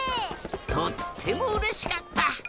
とってもうれしかった！